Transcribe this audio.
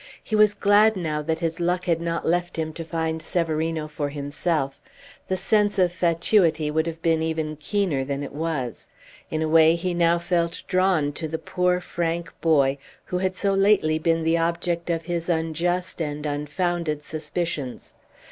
He was glad now that his luck had not left him to find Severino for himself; the sense of fatuity would have been even keener than it was. In a way he now felt drawn to the poor, frank boy who had so lately been the object of his unjust and unfounded suspicions.